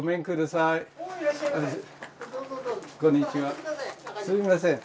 すいません。